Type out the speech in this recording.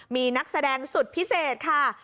มีนักแสดงสุดพิเศษค่ะ